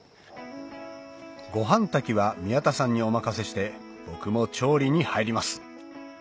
ご飯炊きは宮田さんにお任せして僕も調理に入ります